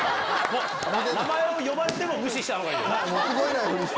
名前を呼ばれても無視したほうがいいよな。